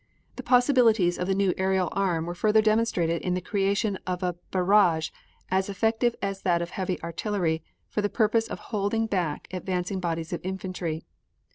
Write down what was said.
The possibilities of the new aerial arm were further demonstrated in the creation of a barrage, as effective as that of heavy artillery, for the purpose of holding back advancing bodies of infantry.